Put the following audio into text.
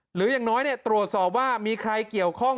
หรืออย่างน้อยตรวจสอบว่ามีใครเกี่ยวข้อง